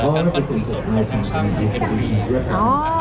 การปั้นฝุ่มสดของทางช่างเฮดุรี